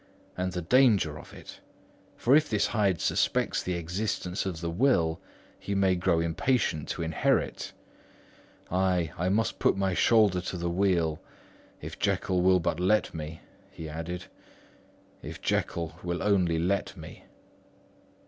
And the danger of it; for if this Hyde suspects the existence of the will, he may grow impatient to inherit. Ay, I must put my shoulders to the wheel—if Jekyll will but let me," he added, "if Jekyll will only let me."